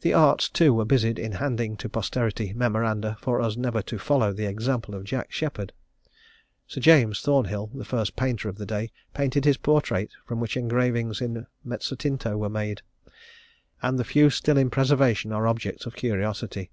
The arts too, were busied in handing to posterity memoranda for us never to follow the example of Jack Sheppard. Sir James Thornhill, the first painter of the day, painted his portrait, from which engravings in mezzotinto were made; and the few still in preservation are objects of curiosity.